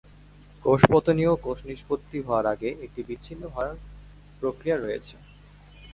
কোষপতনীয় কোষ নিষ্পত্তি হওয়ার আগে একটি বিচ্ছিন্ন হওয়ার প্রক্রিয়া রয়েছে।